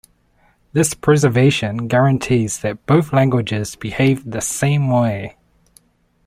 This preservation guarantees that both languages behave the same way.